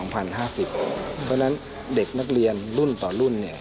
เพราะฉะนั้นเด็กนักเรียนรุ่นต่อรุ่น